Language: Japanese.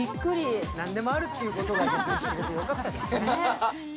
何でもあるということが知れてよかったですね。